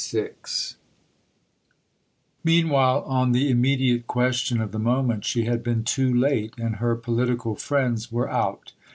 IV Meanwhile on the immediate question of the moment she had been too late, and her political friends were out.